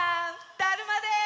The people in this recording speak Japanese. だるまです！